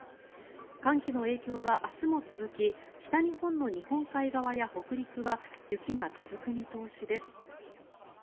寒気の影響は明日も続き北日本の日本海側や北陸は雪が続く見通しです。